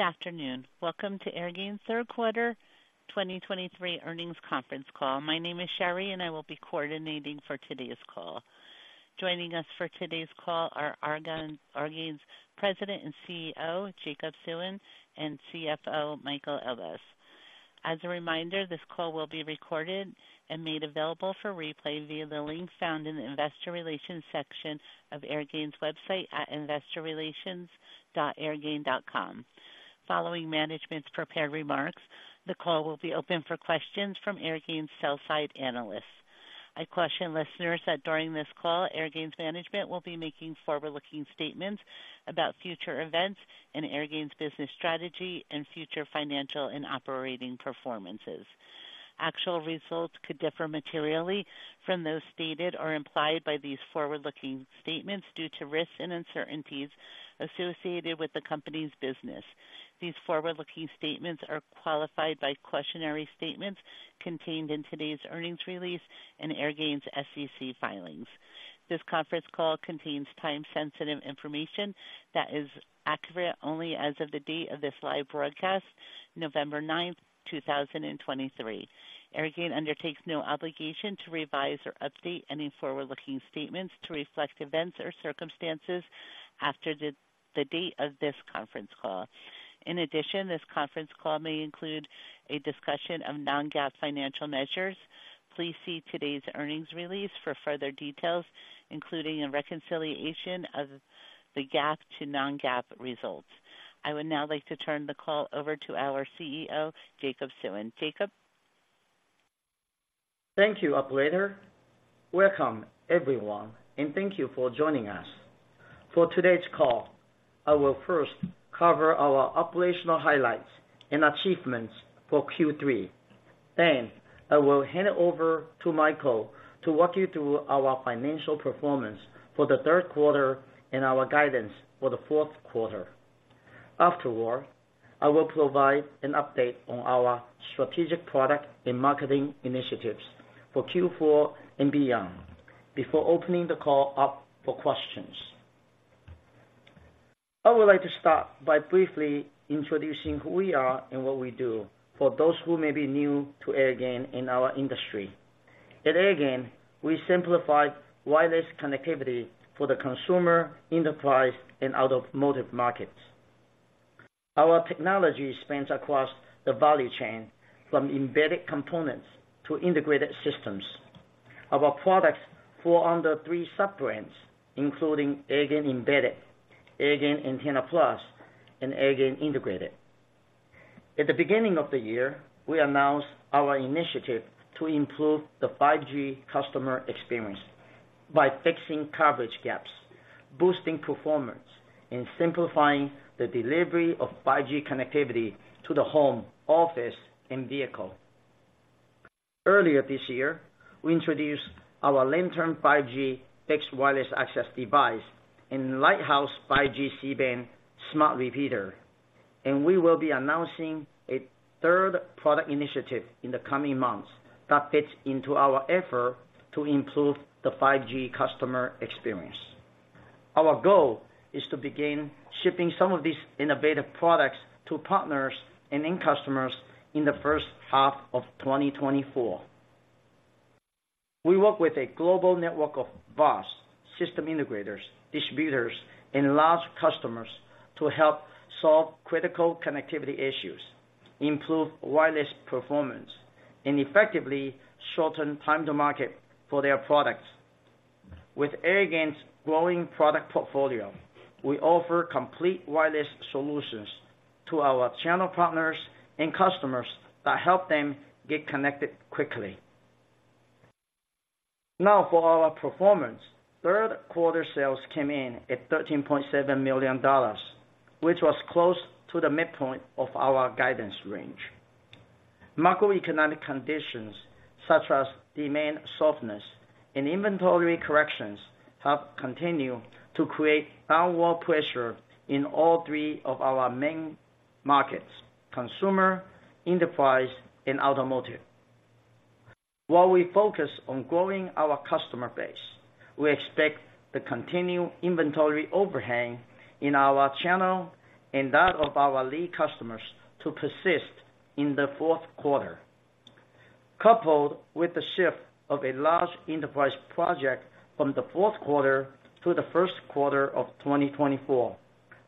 Good afternoon. Welcome to Airgain's third quarter 2023 earnings conference call. My name is Sherry, and I will be coordinating for today's call. Joining us for today's call are Airgain's President and CEO, Jacob Suen, and CFO, Michael Elbaz. As a reminder, this call will be recorded and made available for replay via the link found in the Investor Relations section of Airgain's website at investorrelations.airgain.com. Following management's prepared remarks, the call will be open for questions from Airgain's sell-side analysts. I caution listeners that during this call, Airgain's management will be making forward-looking statements about future events and Airgain's business strategy and future financial and operating performances. Actual results could differ materially from those stated or implied by these forward-looking statements due to risks and uncertainties associated with the company's business. These forward-looking statements are qualified by cautionary statements contained in today's earnings release and Airgain's SEC filings. This conference call contains time-sensitive information that is accurate only as of the date of this live broadcast, November 9, 2023. Airgain undertakes no obligation to revise or update any forward-looking statements to reflect events or circumstances after the date of this conference call. In addition, this conference call may include a discussion of non-GAAP financial measures. Please see today's earnings release for further details, including a reconciliation of the GAAP to non-GAAP results. I would now like to turn the call over to our CEO, Jacob Suen. Jacob? Thank you, operator. Welcome, everyone, and thank you for joining us. For today's call, I will first cover our operational highlights and achievements for Q3. Then I will hand it over to Michael to walk you through our financial performance for the third quarter and our guidance for the fourth quarter. Afterward, I will provide an update on our strategic product and marketing initiatives for Q4 and beyond before opening the call up for questions. I would like to start by briefly introducing who we are and what we do, for those who may be new to Airgain and our industry. At Airgain, we simplify wireless connectivity for the consumer, enterprise, and automotive markets. Our technology spans across the value chain, from embedded components to integrated systems. Our products fall under three sub-brands, including Airgain Embedded, Airgain Antenna Plus, and Airgain Integrated. At the beginning of the year, we announced our initiative to improve the 5G customer experience by fixing coverage gaps, boosting performance, and simplifying the delivery of 5G connectivity to the home, office, and vehicle. Earlier this year, we introduced our long-term 5G fixed wireless access device and Lighthouse 5G C-band smart repeater, and we will be announcing a third product initiative in the coming months that fits into our effort to improve the 5G customer experience. Our goal is to begin shipping some of these innovative products to partners and end customers in the first half of 2024. We work with a global network of OEMs, system integrators, distributors, and large customers to help solve critical connectivity issues, improve wireless performance, and effectively shorten time to market for their products. With Airgain's growing product portfolio, we offer complete wireless solutions to our channel partners and customers that help them get connected quickly. Now for our performance. Third quarter sales came in at $13.7 million, which was close to the midpoint of our guidance range. Macroeconomic conditions, such as demand softness and inventory corrections, have continued to create downward pressure in all three of our main markets: consumer, enterprise, and automotive. While we focus on growing our customer base, we expect the continued inventory overhang in our channel and that of our lead customers to persist in the fourth quarter. Coupled with the shift of a large enterprise project from the fourth quarter to the first quarter of 2024,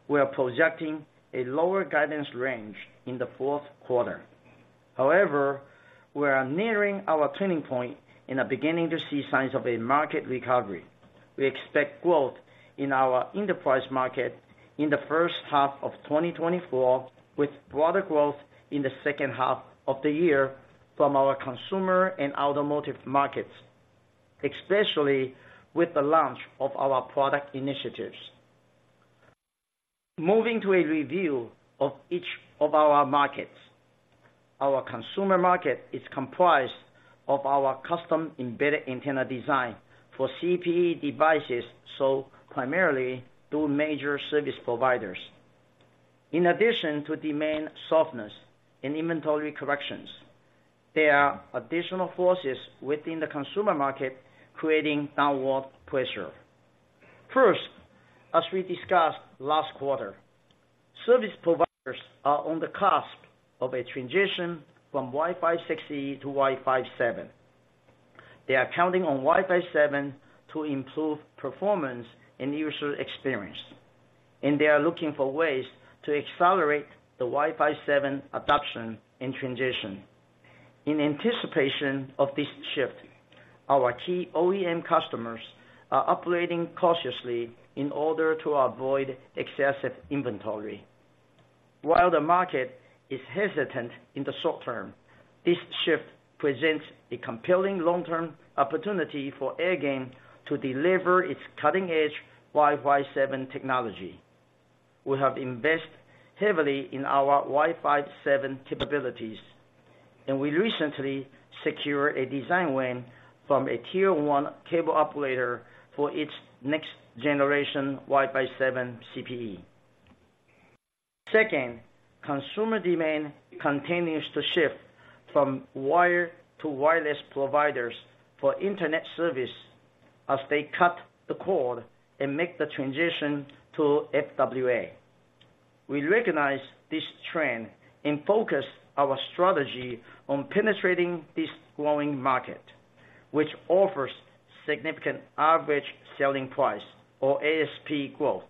we are projecting a lower guidance range in the fourth quarter. However, we are nearing our turning point and are beginning to see signs of a market recovery. We expect growth in our enterprise market in the first half of 2024, with broader growth in the second half of the year from our consumer and automotive markets, especially with the launch of our product initiatives. Moving to a review of each of our markets. Our consumer market is comprised of our custom embedded antenna design for CPE devices, sold primarily through major service providers. In addition to demand softness and inventory corrections, there are additional forces within the consumer market creating downward pressure. First, as we discussed last quarter, service providers are on the cusp of a transition from Wi-Fi 6E to Wi-Fi 7. They are counting on Wi-Fi 7 to improve performance and user experience, and they are looking for ways to accelerate the Wi-Fi 7 adoption and transition. In anticipation of this shift, our key OEM customers are operating cautiously in order to avoid excessive inventory. While the market is hesitant in the short term, this shift presents a compelling long-term opportunity for Airgain to deliver its cutting-edge Wi-Fi 7 technology. We have invested heavily in our Wi-Fi 7 capabilities, and we recently secured a design win from a Tier 1 cable operator for its next generation Wi-Fi 7 CPE. Second, consumer demand continues to shift from wire to wireless providers for internet service as they cut the cord and make the transition to FWA. We recognize this trend and focus our strategy on penetrating this growing market, which offers significant average selling price, or ASP growth.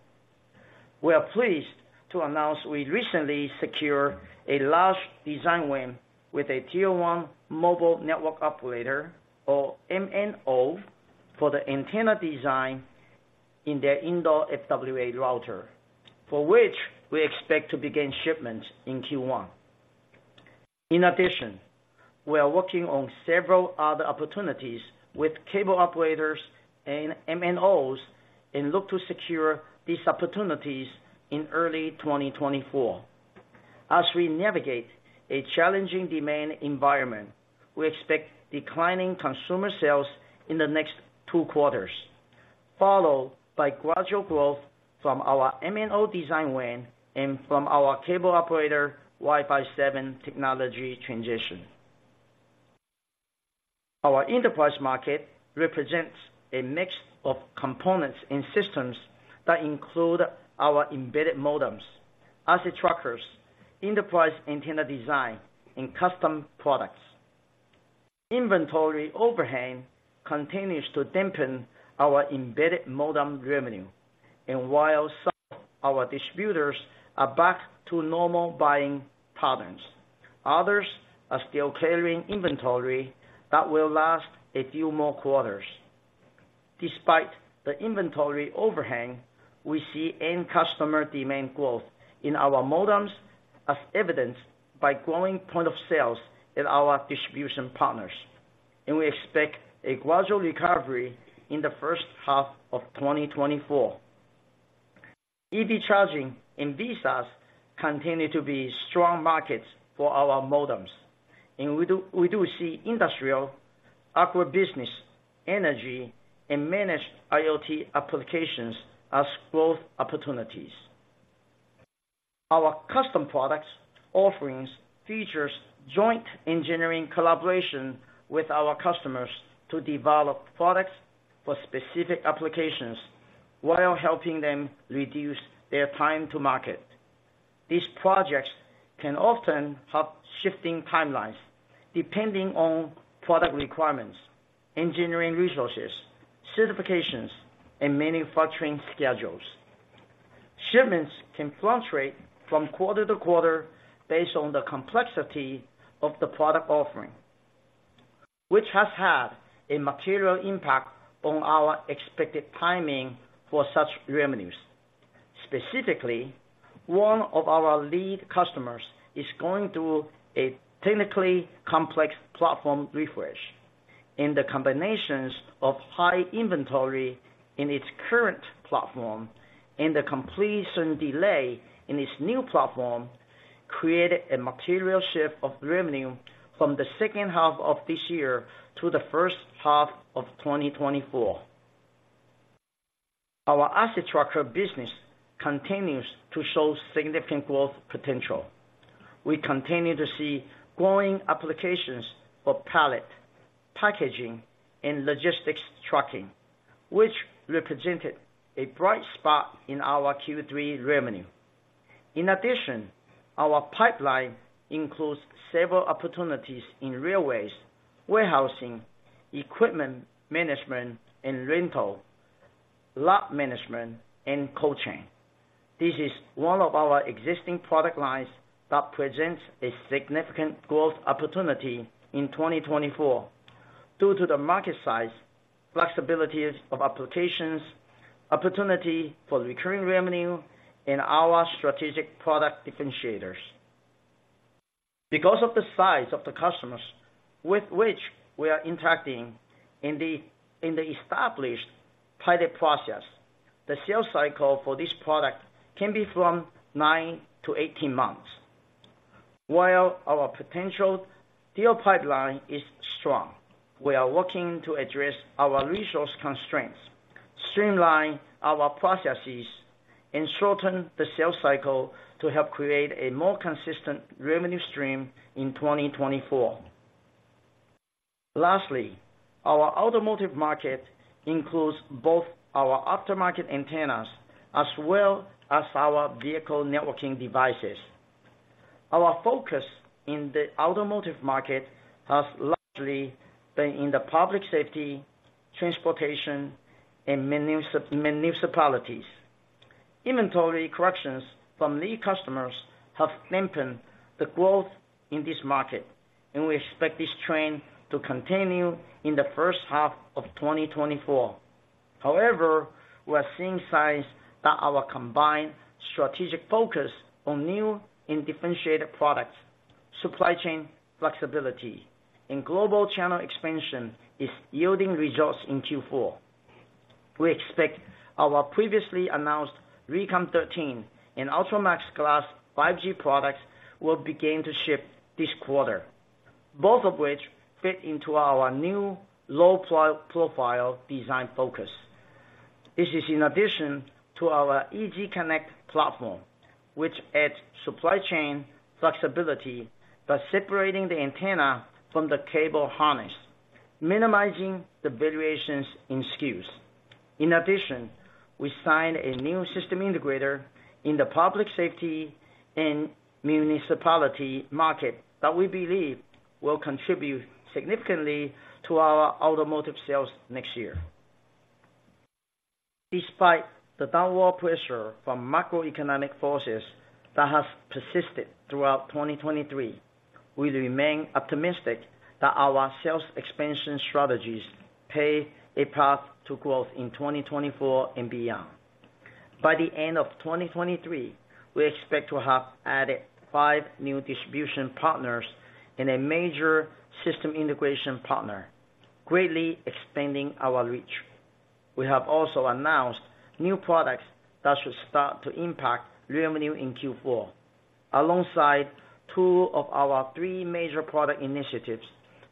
We are pleased to announce we recently secured a large design win with a Tier 1 mobile network operator or MNO, for the antenna design in their indoor FWA router, for which we expect to begin shipments in Q1. In addition, we are working on several other opportunities with cable operators and MNOs, and look to secure these opportunities in early 2024. As we navigate a challenging demand environment, we expect declining consumer sales in the next two quarters, followed by gradual growth from our MNO design win and from our cable operator Wi-Fi 7 technology transition. Our enterprise market represents a mix of components and systems that include our embedded modems, asset trackers, enterprise antenna design, and custom products. Inventory overhang continues to dampen our embedded modem revenue, and while some of our distributors are back to normal buying patterns, others are still clearing inventory that will last a few more quarters. Despite the inventory overhang, we see end customer demand growth in our modems, as evidenced by growing point of sales at our distribution partners, and we expect a gradual recovery in the first half of 2024. EV Charging and VSaaS continue to be strong markets for our modems, and we do, we do see industrial, agribusiness, energy, and managed IoT applications as growth opportunities. Our custom products offerings features joint engineering collaboration with our customers to develop products for specific applications while helping them reduce their time to market. These projects can often have shifting timelines, depending on product requirements, engineering resources, certifications, and manufacturing schedules. Shipments can fluctuate from quarter to quarter based on the complexity of the product offering, which has had a material impact on our expected timing for such revenues. Specifically, one of our lead customers is going through a technically complex platform refresh, and the combinations of high inventory in its current platform and the completion delay in its new platform created a material shift of revenue from the second half of this year to the first half of 2024. Our asset tracker business continues to show significant growth potential. We continue to see growing applications for pallet, packaging, and logistics tracking, which represented a bright spot in our Q3 revenue. In addition, our pipeline includes several opportunities in railways, warehousing, equipment management and rental, lot management, and cold chain. This is one of our existing product lines that presents a significant growth opportunity in 2024 due to the market size, flexibilities of applications, opportunity for recurring revenue, and our strategic product differentiators. Because of the size of the customers with which we are interacting in the established pilot process, the sales cycle for this product can be from 9-18 months. While our potential deal pipeline is strong, we are working to address our resource constraints, streamline our processes, and shorten the sales cycle to help create a more consistent revenue stream in 2024. Lastly, our automotive market includes both our aftermarket antennas as well as our vehicle networking devices. Our focus in the automotive market has largely been in the public safety, transportation, and municipalities. Inventory corrections from lead customers have dampened the growth in this market, and we expect this trend to continue in the first half of 2024. However, we are seeing signs that our combined strategic focus on new and differentiated products, supply chain flexibility, and global channel expansion is yielding results in Q4. We expect our previously announced RECON13 and ULTRAMAX Glass 5G products will begin to ship this quarter, both of which fit into our new low-profile design focus. This is in addition to our EZConnect platform, which adds supply chain flexibility by separating the antenna from the cable harness, minimizing the variations in SKUs. In addition, we signed a new system integrator in the public safety and municipality market that we believe will contribute significantly to our automotive sales next year. Despite the downward pressure from macroeconomic forces that has persisted throughout 2023, we remain optimistic that our sales expansion strategies pave a path to growth in 2024 and beyond. By the end of 2023, we expect to have added five new distribution partners and a major system integration partner, greatly expanding our reach. We have also announced new products that should start to impact revenue in Q4, alongside two of our three major product initiatives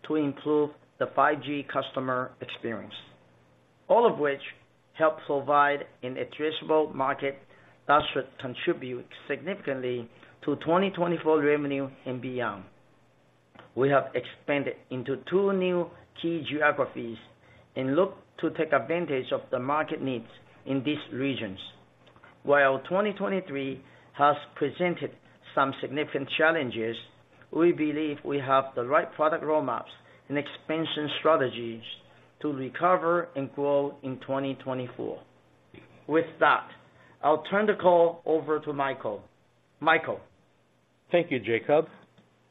to improve the 5G customer experience, all of which help provide an addressable market that should contribute significantly to 2024 revenue and beyond. We have expanded into two new key geographies and look to take advantage of the market needs in these regions. While 2023 has presented some significant challenges, we believe we have the right product roadmaps and expansion strategies to recover and grow in 2024. With that, I'll turn the call over to Michael. Michael? Thank you, Jacob.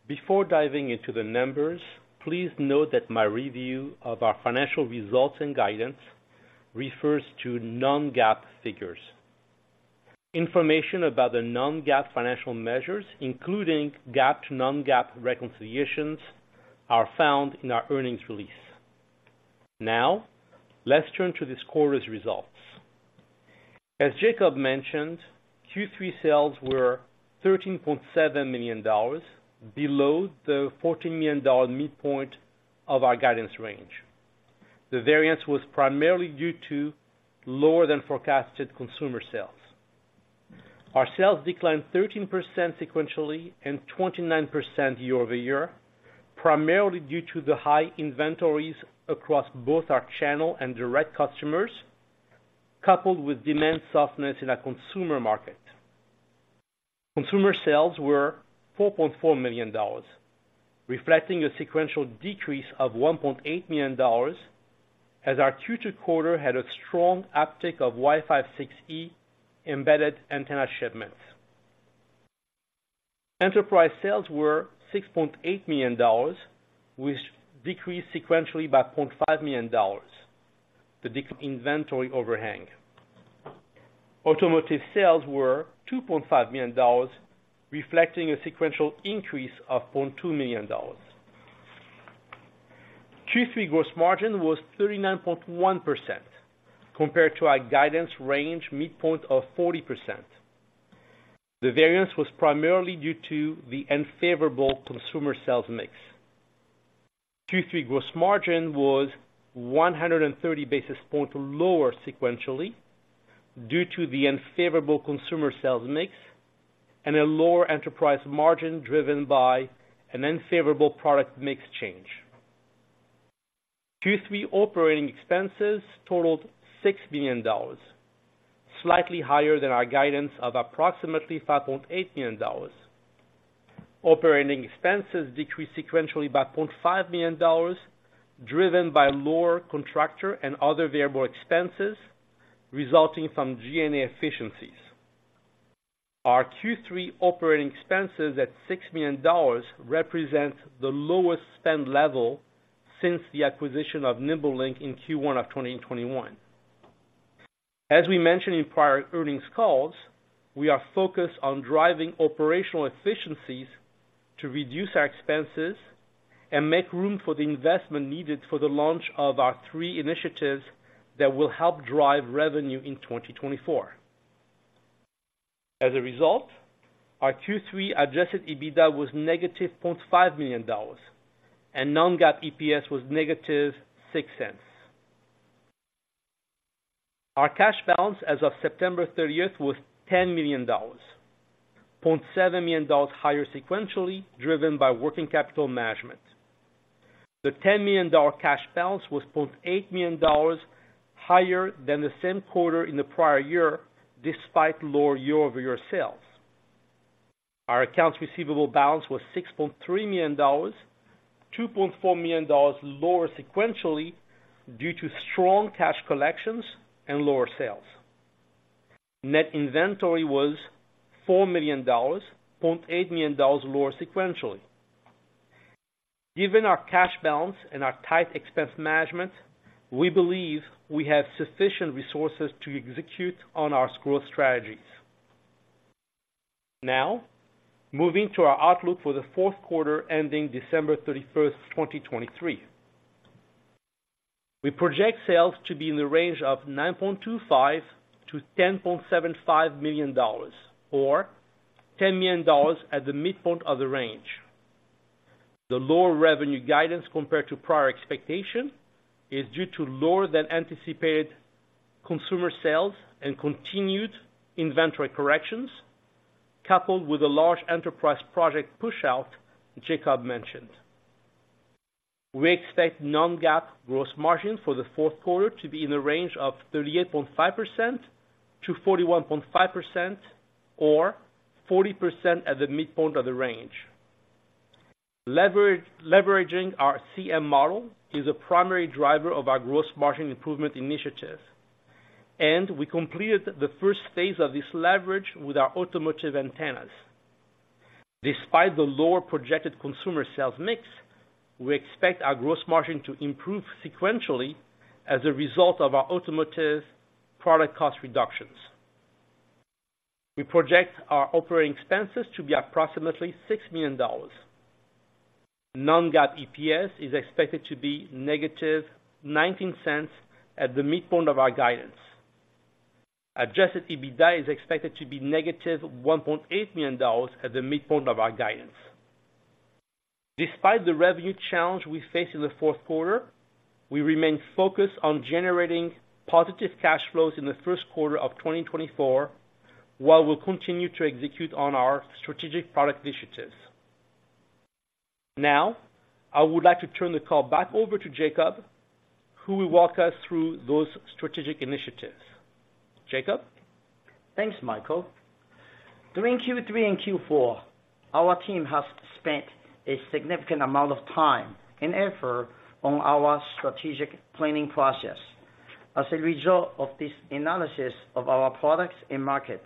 Before diving into the numbers, please note that my review of our financial results and guidance refers to non-GAAP figures. Information about the non-GAAP financial measures, including GAAP to non-GAAP reconciliations, are found in our earnings release. Now, let's turn to this quarter's results. As Jacob mentioned, Q3 sales were $13.7 million, below the $14 million midpoint of our guidance range. The variance was primarily due to lower than forecasted consumer sales. Our sales declined 13% sequentially and 29% year-over-year, primarily due to the high inventories across both our channel and direct customers, coupled with demand softness in our consumer market. Consumer sales were $4.4 million, reflecting a sequential decrease of $1.8 million, as our Q2 quarter had a strong uptick of Wi-Fi 6E embedded antenna shipments. Enterprise sales were $6.8 million, which decreased sequentially by $0.5 million, the inventory overhang. Automotive sales were $2.5 million, reflecting a sequential increase of $0.2 million. Q3 gross margin was 39.1%, compared to our guidance range midpoint of 40%. The variance was primarily due to the unfavorable consumer sales mix. Q3 gross margin was 130 basis points lower sequentially, due to the unfavorable consumer sales mix and a lower enterprise margin driven by an unfavorable product mix change. Q3 operating expenses totaled $6 million, slightly higher than our guidance of approximately $5.8 million. Operating expenses decreased sequentially by $0.5 million, driven by lower contractor and other variable expenses, resulting from G&A efficiencies. Our Q3 operating expenses at $6 million represents the lowest spend level since the acquisition of NimbeLink in Q1 of 2021. As we mentioned in prior earnings calls, we are focused on driving operational efficiencies to reduce our expenses and make room for the investment needed for the launch of our three initiatives that will help drive revenue in 2024. As a result, our Q3 adjusted EBITDA was -$0.5 million, and non-GAAP EPS was -$0.06. Our cash balance as of September 30th was $10 million, $0.7 million higher sequentially, driven by working capital management. The $10 million cash balance was $0.8 million higher than the same quarter in the prior year, despite lower year-over-year sales. Our accounts receivable balance was $6.3 million, $2.4 million lower sequentially, due to strong cash collections and lower sales. Net inventory was $4 million, $0.8 million lower sequentially. Given our cash balance and our tight expense management, we believe we have sufficient resources to execute on our growth strategies. Now, moving to our outlook for the fourth quarter, ending December 31st, 2023. We project sales to be in the range of $9.25 million-$10.75 million or $10 million at the midpoint of the range. The lower revenue guidance compared to prior expectation is due to lower than anticipated consumer sales and continued inventory corrections, coupled with a large enterprise project pushout that Jacob mentioned. We expect non-GAAP gross margin for the fourth quarter to be in the range of 38.5%-41.5% or 40% at the midpoint of the range. Leveraging our CM model is a primary driver of our gross margin improvement initiatives, and we completed the first phase of this leverage with our automotive antennas. Despite the lower projected consumer sales mix, we expect our gross margin to improve sequentially as a result of our automotive product cost reductions. We project our operating expenses to be approximately $6 million. Non-GAAP EPS is expected to be -$0.19 at the midpoint of our guidance. Adjusted EBITDA is expected to be -$1.8 million at the midpoint of our guidance. Despite the revenue challenge we face in the fourth quarter, we remain focused on generating positive cash flows in the first quarter of 2024, while we'll continue to execute on our strategic product initiatives. Now, I would like to turn the call back over to Jacob, who will walk us through those strategic initiatives. Jacob? Thanks, Michael. During Q3 and Q4, our team has spent a significant amount of time and effort on our strategic planning process. As a result of this analysis of our products and markets,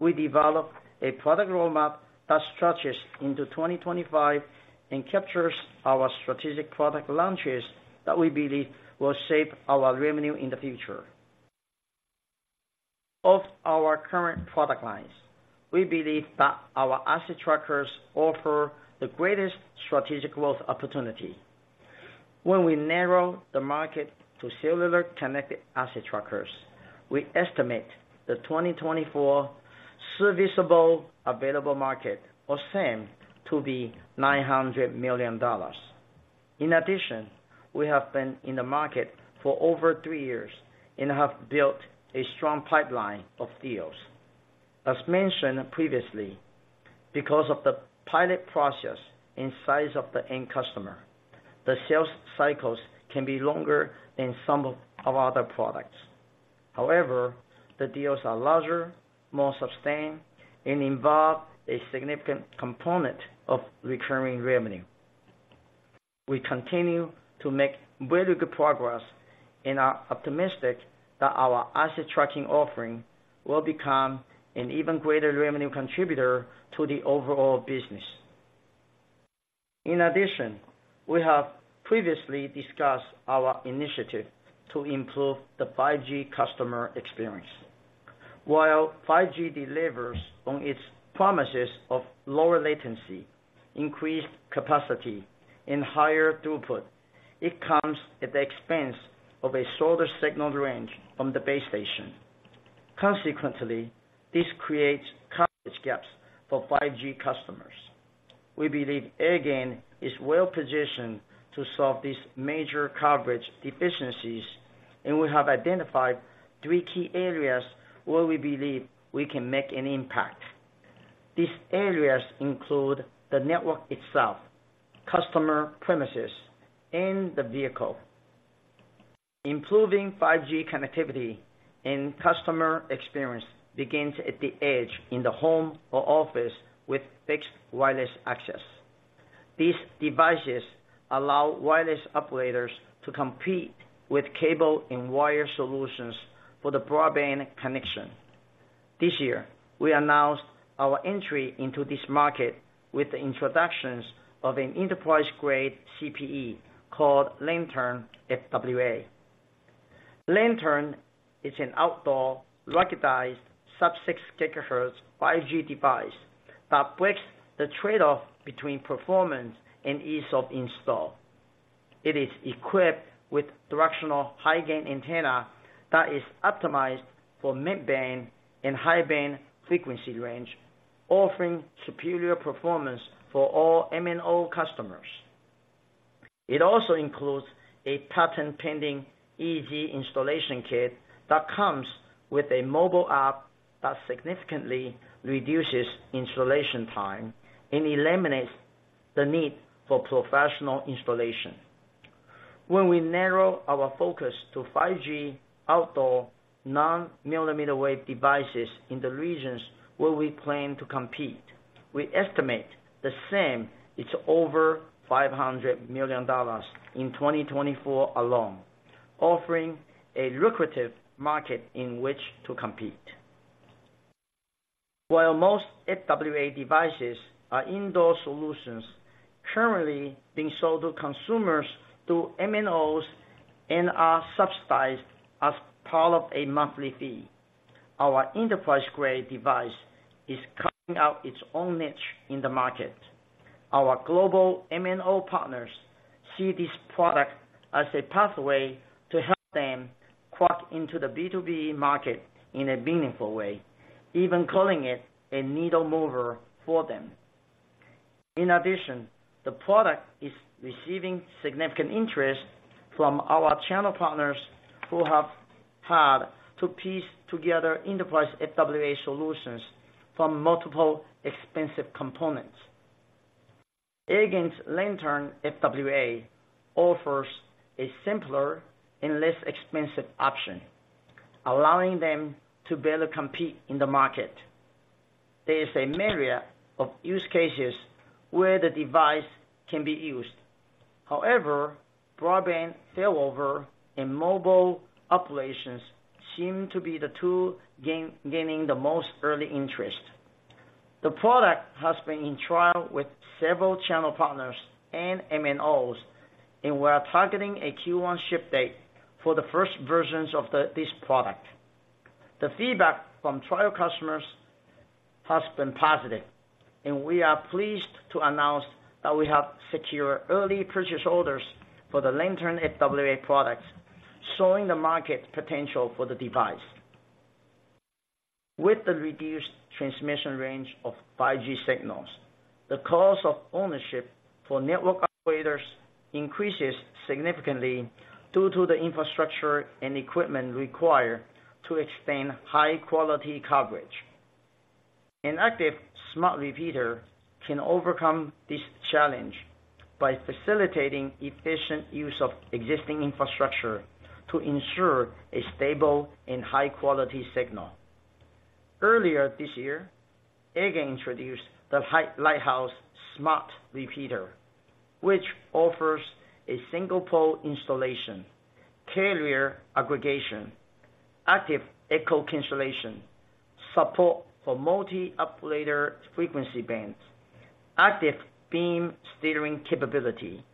we developed a product roadmap that stretches into 2025 and captures our strategic product launches that we believe will shape our revenue in the future. Of our current product lines, we believe that our asset trackers offer the greatest strategic growth opportunity. When we narrow the market to cellular connected asset trackers, we estimate the 2024 serviceable available market, or SAM, to be $900 million. In addition, we have been in the market for over three years and have built a strong pipeline of deals. As mentioned previously, because of the pilot process and size of the end customer, the sales cycles can be longer than some of our other products. However, the deals are larger, more sustained, and involve a significant component of recurring revenue. We continue to make very good progress and are optimistic that our asset tracking offering will become an even greater revenue contributor to the overall business. In addition, we have previously discussed our initiative to improve the 5G customer experience. While 5G delivers on its promises of lower latency, increased capacity, and higher throughput, it comes at the expense of a shorter signal range from the base station. Consequently, this creates coverage gaps for 5G customers. We believe Airgain is well positioned to solve these major coverage deficiencies, and we have identified three key areas where we believe we can make an impact. These areas include the network itself, customer premises, and the vehicle. Improving 5G connectivity and customer experience begins at the edge, in the home or office with fixed wireless access. These devices allow wireless operators to compete with cable and wire solutions for the broadband connection. This year, we announced our entry into this market with the introductions of an enterprise-grade CPE called Lantern FWA. Lantern is an outdoor, ruggedized, sub-six gigahertz 5G device that breaks the trade-off between performance and ease of install. It is equipped with directional high gain antenna that is optimized for mid-band and high-band frequency range, offering superior performance for all MNO customers. It also includes a patent-pending easy installation kit that comes with a mobile app that significantly reduces installation time and eliminates the need for professional installation. When we narrow our focus to 5G outdoor non-millimeter wave devices in the regions where we plan to compete, we estimate the same. It's over $500 million in 2024 alone, offering a lucrative market in which to compete. While most FWA devices are indoor solutions currently being sold to consumers through MNOs and are subsidized as part of a monthly fee, our enterprise-grade device is carving out its own niche in the market. Our global MNO partners see this product as a pathway to help them crack into the B2B market in a meaningful way, even calling it a needle mover for them. In addition, the product is receiving significant interest from our channel partners who have had to piece together enterprise FWA solutions from multiple expensive components. Airgain's Lantern FWA offers a simpler and less expensive option, allowing them to better compete in the market. There is a myriad of use cases where the device can be used. However, broadband failover and mobile operations seem to be the two gaining the most early interest. The product has been in trial with several channel partners and MNOs, and we are targeting a Q1 ship date for the first versions of this product. The feedback from trial customers has been positive, and we are pleased to announce that we have secured early purchase orders for the Lantern FWA products, showing the market potential for the device. With the reduced transmission range of 5G signals, the cost of ownership for network operators increases significantly due to the infrastructure and equipment required to extend high-quality coverage. An active smart repeater can overcome this challenge by facilitating efficient use of existing infrastructure to ensure a stable and high-quality signal. Earlier this year, Airgain introduced the Lighthouse smart repeater, which offers a single pole installation, carrier aggregation, active echo cancellation, support for multi-operator frequency bands, active beam steering capability,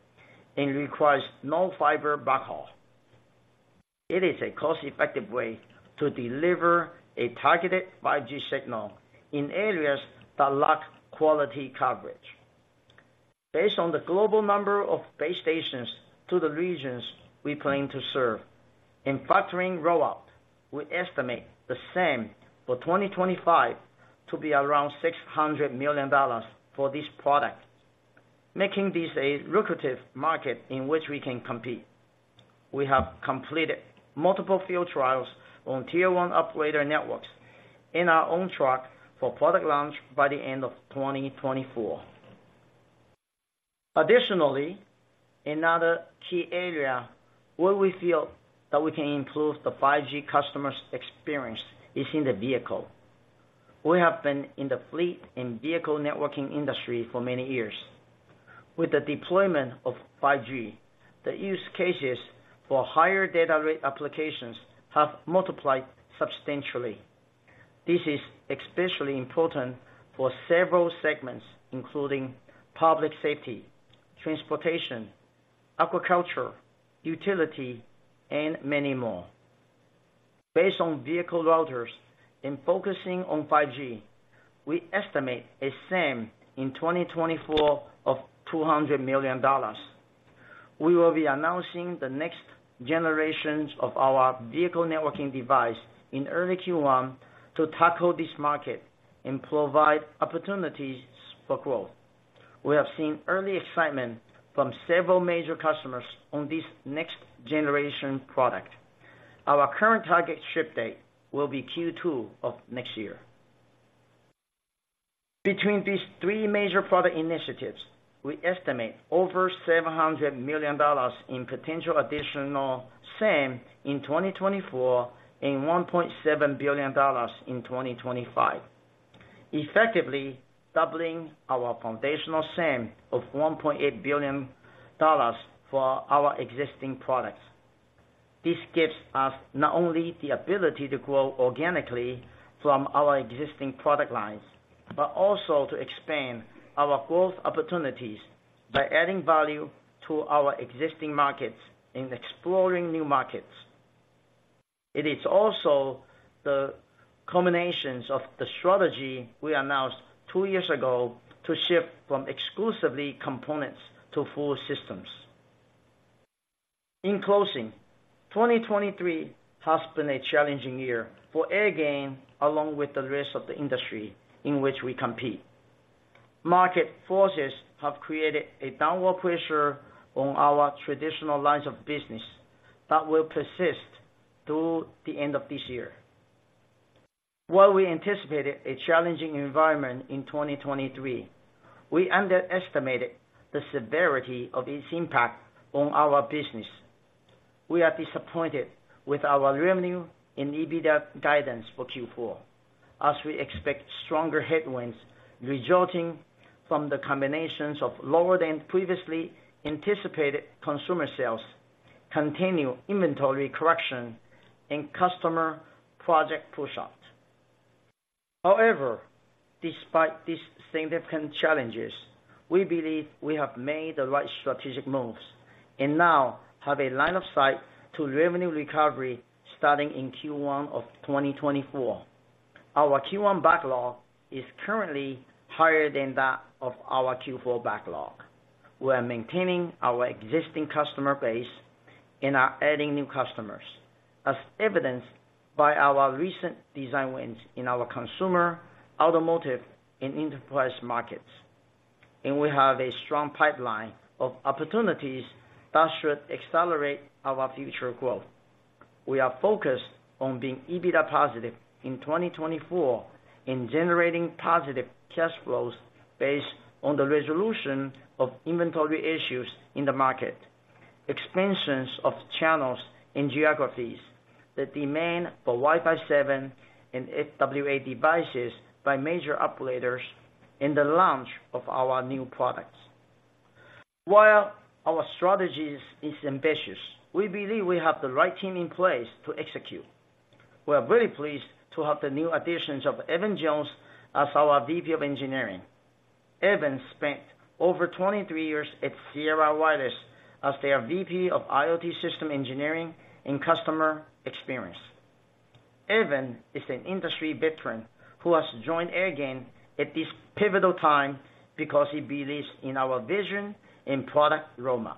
and requires no fiber backhaul. It is a cost-effective way to deliver a targeted 5G signal in areas that lack quality coverage. Based on the global number of base stations to the regions we plan to serve, in factoring rollout, we estimate the same for 2025 to be around $600 million for this product, making this a lucrative market in which we can compete. We have completed multiple field trials on tier one operator networks and are on track for product launch by the end of 2024. Additionally, another key area where we feel that we can improve the 5G customers experience is in the vehicle. We have been in the fleet and vehicle networking industry for many years. With the deployment of 5G, the use cases for higher data rate applications have multiplied substantially. This is especially important for several segments, including public safety, transportation, agriculture, utility, and many more. Based on vehicle routers and focusing on 5G, we estimate a SAM in 2024 of $200 million. We will be announcing the next generations of our vehicle networking device in early Q1 to tackle this market and provide opportunities for growth. We have seen early excitement from several major customers on this next generation product. Our current target ship date will be Q2 of next year. Between these three major product initiatives, we estimate over $700 million in potential additional SAM in 2024, and $1.7 billion in 2025, effectively doubling our foundational SAM of $1.8 billion for our existing products. This gives us not only the ability to grow organically from our existing product lines, but also to expand our growth opportunities by adding value to our existing markets and exploring new markets. It is also the combinations of the strategy we announced two years ago to shift from exclusively components to full systems. In closing, 2023 has been a challenging year for Airgain, along with the rest of the industry in which we compete. Market forces have created a downward pressure on our traditional lines of business that will persist through the end of this year. While we anticipated a challenging environment in 2023, we underestimated the severity of its impact on our business. We are disappointed with our revenue and EBITDA guidance for Q4, as we expect stronger headwinds resulting from the combinations of lower than previously anticipated consumer sales, continued inventory correction and customer project push out. However, despite these significant challenges, we believe we have made the right strategic moves and now have a line of sight to revenue recovery starting in Q1 of 2024. Our Q1 backlog is currently higher than that of our Q4 backlog. We are maintaining our existing customer base and are adding new customers, as evidenced by our recent design wins in our consumer, automotive, and enterprise markets. We have a strong pipeline of opportunities that should accelerate our future growth. We are focused on being EBITDA positive in 2024 and generating positive cash flows based on the resolution of inventory issues in the market, expansions of channels and geographies, the demand for Wi-Fi 7 and FWA devices by major operators, and the launch of our new products. While our strategies is ambitious, we believe we have the right team in place to execute. We are very pleased to have the new additions of Evan Jones as our VP of Engineering. Evan spent over 23 years at Sierra Wireless as their VP of IoT System Engineering and Customer Experience. Evan is an industry veteran who has joined Airgain at this pivotal time because he believes in our vision and product roadmap.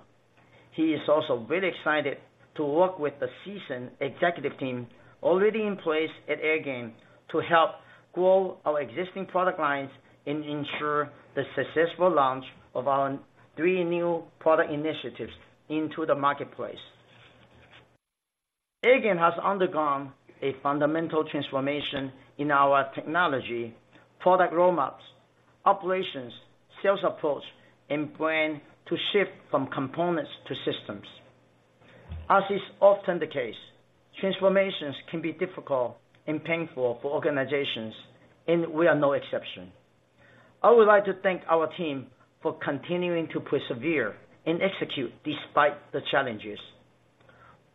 He is also very excited to work with the seasoned executive team already in place at Airgain to help grow our existing product lines and ensure the successful launch of our three new product initiatives into the marketplace. Airgain has undergone a fundamental transformation in our technology, product roadmaps, operations, sales approach, and plan to shift from components to systems. As is often the case, transformations can be difficult and painful for organizations, and we are no exception. I would like to thank our team for continuing to persevere and execute despite the challenges.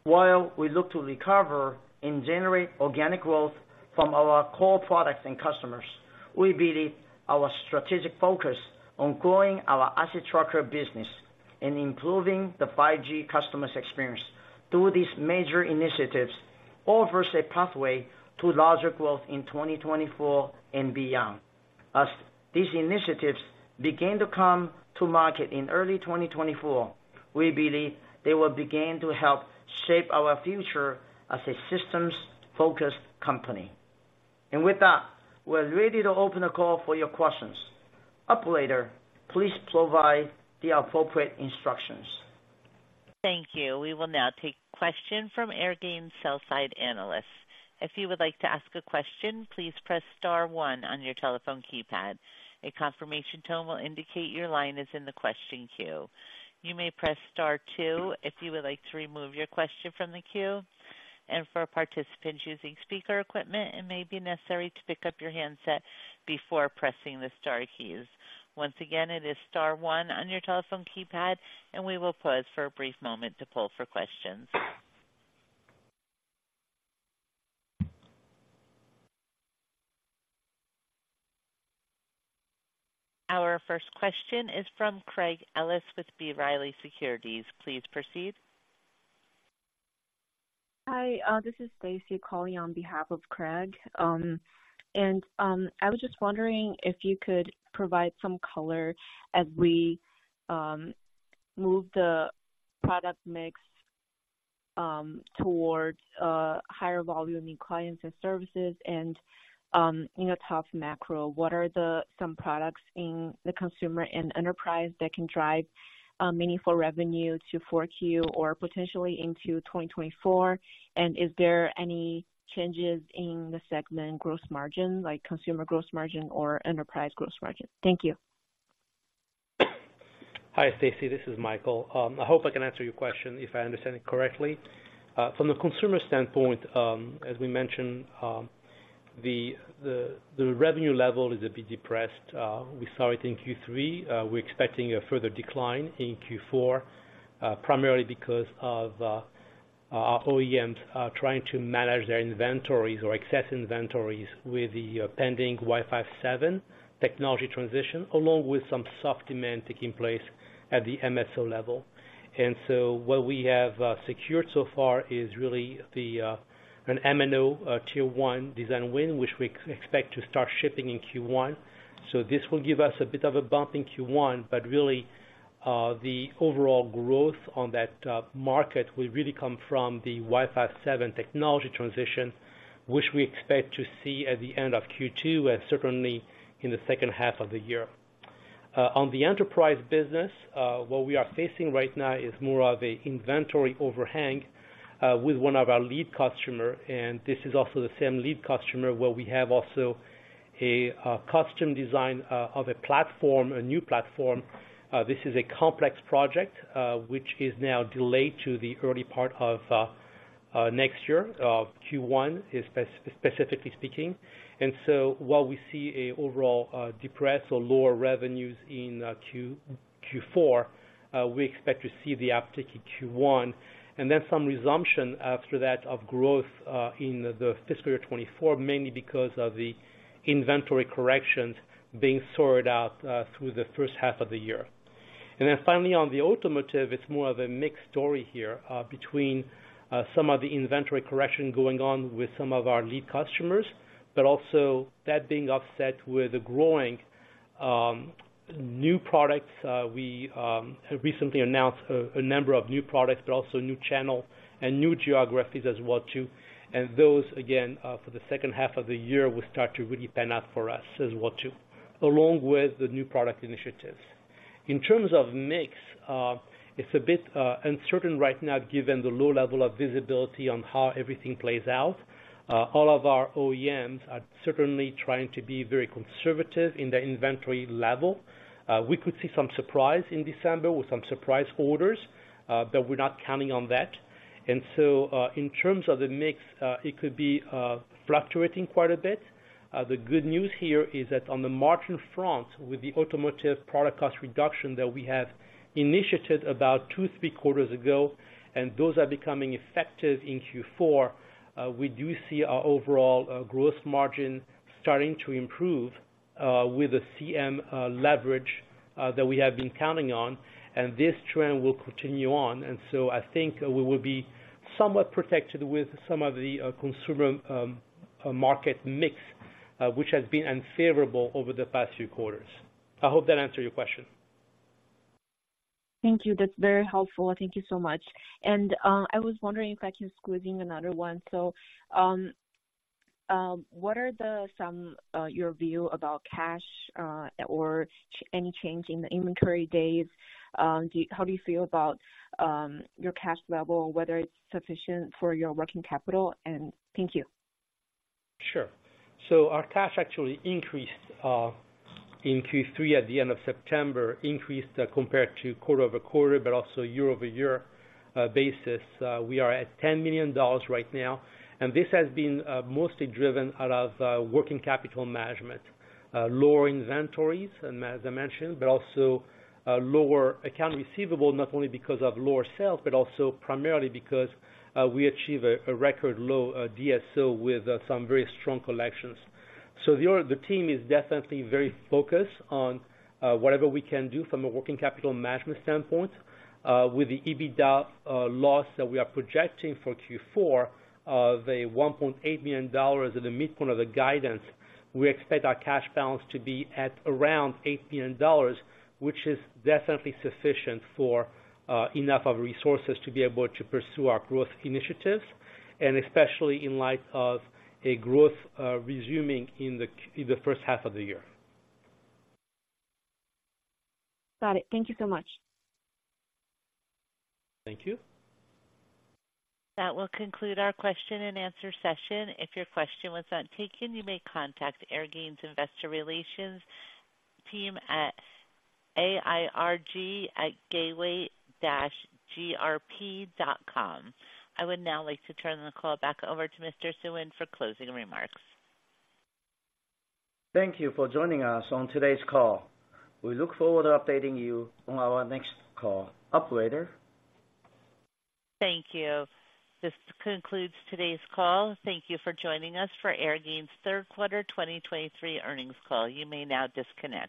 While we look to recover and generate organic growth from our core products and customers, we believe our strategic focus on growing our asset tracker business and improving the 5G customers experience through these major initiatives offers a pathway to larger growth in 2024 and beyond. As these initiatives begin to come to market in early 2024, we believe they will begin to help shape our future as a systems-focused company. And with that, we're ready to open the call for your questions. Operator, please provide the appropriate instructions. Thank you. We will now take question from Airgain sell-side analysts. If you would like to ask a question, please press star one on your telephone keypad. A confirmation tone will indicate your line is in the question queue. You may press star two if you would like to remove your question from the queue, and for participants using speaker equipment, it may be necessary to pick up your handset before pressing the star keys. Once again, it is star one on your telephone keypad, and we will pause for a brief moment to pull for questions. Our first question is from Craig Ellis with B. Riley Securities. Please proceed. Hi, this is Stacy calling on behalf of Craig. I was just wondering if you could provide some color as we move the product mix towards higher volume in clients and services and, you know, tough macro. What are the some products in the consumer and enterprise that can drive meaningful revenue to 4Q or potentially into 2024? And is there any changes in the segment gross margin, like consumer gross margin or enterprise gross margin? Thank you. Hi, Stacy, this is Michael. I hope I can answer your question, if I understand it correctly. From the consumer standpoint, as we mentioned, the revenue level is a bit depressed. We saw it in Q3. We're expecting a further decline in Q4, primarily because of our OEMs trying to manage their inventories or excess inventories with the pending Wi-Fi 7 technology transition, along with some soft demand taking place at the MSO level. So what we have secured so far is really an MNO tier one design win, which we expect to start shipping in Q1. This will give us a bit of a bump in Q1, but really the overall growth on that market will really come from the Wi-Fi 7 technology transition, which we expect to see at the end of Q2 and certainly in the second half of the year. On the enterprise business, what we are facing right now is more of a inventory overhang with one of our lead customer, and this is also the same lead customer, where we have also a custom design of a platform, a new platform. This is a complex project, which is now delayed to the early part of next year, Q1, specifically speaking. And so while we see an overall depressed or lower revenues in Q4, we expect to see the uptick in Q1, and then some resumption after that of growth in the fiscal year 2024, mainly because of the inventory corrections being sorted out through the first half of the year. And then finally, on the automotive, it's more of a mixed story here between some of the inventory correction going on with some of our lead customers, but also that being offset with the growing new products. We have recently announced a number of new products, but also new channel and new geographies as well, too. And those, again, for the second half of the year, will start to really pan out for us as well, too, along with the new product initiatives. In terms of mix, it's a bit uncertain right now, given the low level of visibility on how everything plays out. All of our OEMs are certainly trying to be very conservative in their inventory level. We could see some surprise in December with some surprise orders, but we're not counting on that. And so, in terms of the mix, it could be fluctuating quite a bit. The good news here is that on the margin front, with the automotive product cost reduction that we have initiated about two, three quarters ago, and those are becoming effective in Q4, we do see our overall growth margin starting to improve, with the CM leverage that we have been counting on, and this trend will continue on. And so I think we will be somewhat protected with some of the consumer market mix, which has been unfavorable over the past few quarters. I hope that answered your question. Thank you. That's very helpful. Thank you so much. And I was wondering if I can squeeze in another one. So, what are some of your views about cash or any change in the inventory days? How do you feel about your cash level, whether it's sufficient for your working capital? And thank you. Sure. So our cash actually increased in Q3 at the end of September, increased compared to quarter-over-quarter, but also year-over-year basis. We are at $10 million right now, and this has been mostly driven out of working capital management, lower inventories, and as I mentioned, but also lower account receivable, not only because of lower sales, but also primarily because we achieve a record low DSO with some very strong collections. So the team is definitely very focused on whatever we can do from a working capital management standpoint. With the EBITDA loss that we are projecting for Q4, of a $1.8 million at the midpoint of the guidance, we expect our cash balance to be at around $8 million, which is definitely sufficient for enough of resources to be able to pursue our growth initiatives, and especially in light of a growth resuming in the first half of the year. Got it. Thank you so much. Thank you. That will conclude our question and answer session. If your question was not taken, you may contact Airgain's Investor Relations team at airg@gateway-grp.com. I would now like to turn the call back over to Mr. Suen for closing remarks. Thank you for joining us on today's call. We look forward to updating you on our next call. Operator? Thank you. This concludes today's call. Thank you for joining us for Airgain's third quarter 2023 earnings call. You may now disconnect.